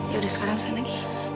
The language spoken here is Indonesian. ya udah sekarang sana g